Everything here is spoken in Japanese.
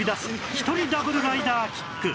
１人ダブルライダーキック